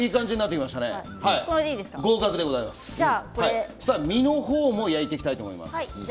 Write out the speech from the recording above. そしたら身のほうを焼いていきたいと思います。